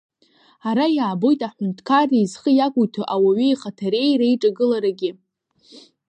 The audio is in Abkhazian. Ара иаабоит аҳәынҭқарреи зхы иақәиҭу ауаҩы ихаҭареи реиҿагыларагьы.